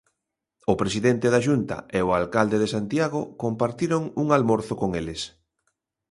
O presidente da Xunta e o alcalde de Santiago compartiron un almorzo con eles.